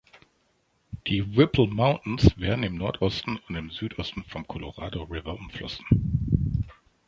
Die Whipple Mountains werden im Nordosten und im Südosten vom Colorado River umflossen.